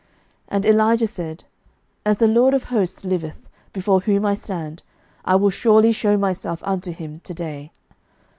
11:018:015 And Elijah said, As the LORD of hosts liveth, before whom I stand, I will surely shew myself unto him to day.